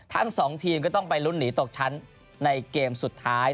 ทั้งสองทีมก็ต้องไปลุ้นหนีตกชั้นในเกมสุดท้าย